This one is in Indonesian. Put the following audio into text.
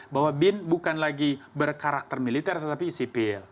bahwa bin bukan lagi berkarakter militer tetapi sipil